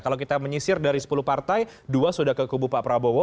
kalau kita menyisir dari sepuluh partai dua sudah ke kubu pak prabowo